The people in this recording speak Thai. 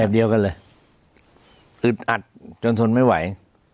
เดียวกันเลยอึดอัดจนทนไม่ไหว